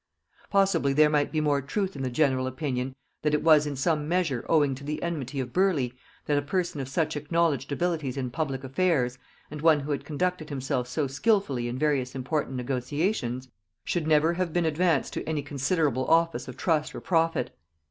Possibly there might be more truth in the general opinion, that it was in some measure owing to the enmity of Burleigh that a person of such acknowledged abilities in public affairs, and one who had conducted himself so skilfully in various important negotiations, should never have been advanced to any considerable office of trust or profit.